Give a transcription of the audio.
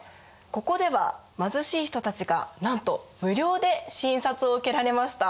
ここでは貧しい人たちがなんと無料で診察を受けられました。